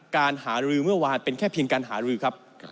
การหารือเมื่อวานเป็นแค่เพียงการหารือครับ